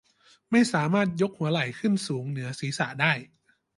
ไม่สามารถยกหัวไหล่ขึ้นสูงเหนือศีรษะได้